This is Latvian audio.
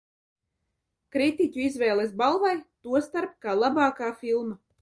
"Kritiķu izvēles balvai, tostarp kā "Labākā filma"."